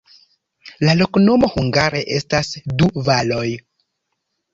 La loknomo hungare estas: du valoj.